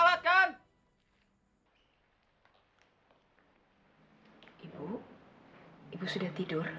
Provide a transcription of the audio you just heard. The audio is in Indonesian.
kalau cuma temen kenapa dia masih ngedeketin lu